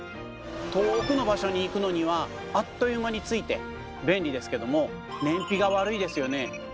遠くの場所に行くのにはあっという間に着いて便利ですけども燃費が悪いですよね。